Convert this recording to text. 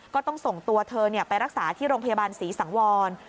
ก็ต้องส่งตัวเธอไปรักษาที่โรงพยาบาลศรีสังวร